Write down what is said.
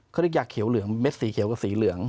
เขาเรียกยาเขียวเหลืองเม็ดสีเขียวกับสีเหลือง